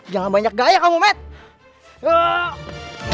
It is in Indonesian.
jangan banyak gaya kamu mat